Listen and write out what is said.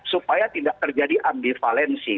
supaya tidak terjadi ambivalensi